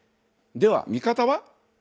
では味方は？